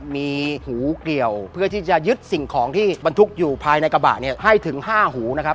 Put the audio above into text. มีหูเกี่ยวเพื่อที่จะยึดสิ่งของที่บรรทุกอยู่ภายในกระบะเนี่ยให้ถึง๕หูนะครับ